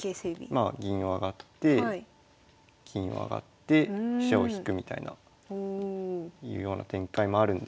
でまあ銀を上がって金を上がって飛車を引くみたいないうような展開もあるんですけど。